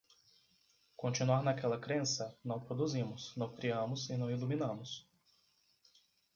continuar naquela crença, não produzimos, não criamos e não iluminamos